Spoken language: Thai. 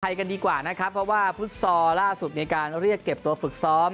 กันดีกว่านะครับเพราะว่าฟุตซอลล่าสุดในการเรียกเก็บตัวฝึกซ้อม